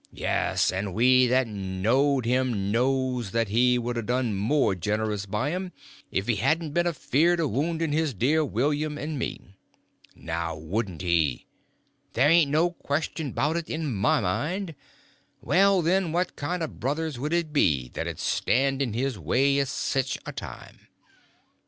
Yes, and we that knowed him knows that he would a done more generous by 'em if he hadn't ben afeard o' woundin' his dear William and me. Now, wouldn't he? Ther' ain't no question 'bout it in my mind. Well, then, what kind o' brothers would it be that 'd stand in his way at sech a time?